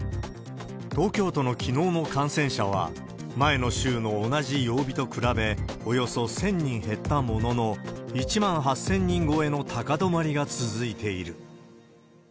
東京都のきのうの感染者は、前の週の同じ曜日と比べ、およそ１０００人減ったものの、１万８０００人超えの高止まりが続いている。